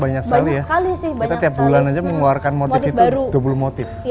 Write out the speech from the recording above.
banyak sekali ya kita tiap bulan aja mengeluarkan motif itu dua puluh motif